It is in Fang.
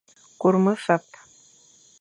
Kur mefap.